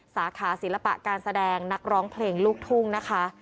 สาขาศิลปะการแสดงนักร้องเพลงลูกทุ่งนะคะ